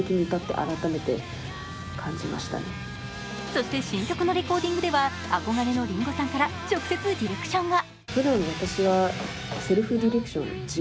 そして、新曲のレコーディングでは憧れの林檎さんから直接ディレクションが。